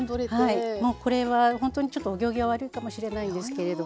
はいもうこれは本当にちょっとお行儀は悪いかもしれないんですけれども。